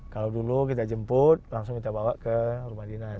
kalau dulu kita jemput langsung kita bawa ke rumah dinas